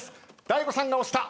大悟さんが押した。